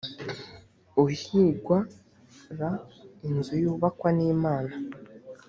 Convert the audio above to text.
uhingwa r inzu yubakwa n imana